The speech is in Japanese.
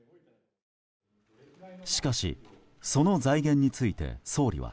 しかしその財源について総理は。